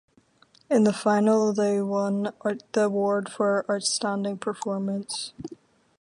In the Final they won the award for Outstanding Performance.